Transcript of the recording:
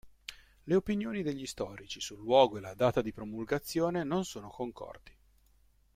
Le opinioni degli storici sul luogo e la data di promulgazione non sono concordi.